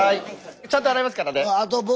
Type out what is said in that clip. ちゃんと払いますからね。